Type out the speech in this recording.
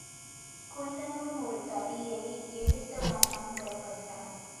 குள்ளனும் ஒரு தடியை எடுத்தவண்ணம் புறப்பட்டான்.